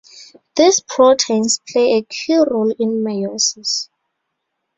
These proteins play a key role in meiosis.